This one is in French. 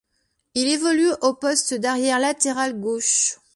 Il évolue au poste d'arrière latéral gauche.